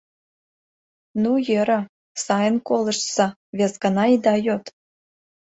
— Ну, йӧра, сайын колыштса, вес гана ида йод.